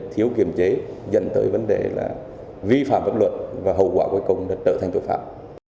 thiếu kiềm chế dẫn tới vấn đề là vi phạm pháp luật và hậu quả cuối cùng là trở thành tội phạm